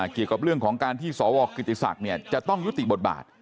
เกี่ยวกับเรื่องของการที่สวกิติศักดิ์จะต้องยุติบทบาท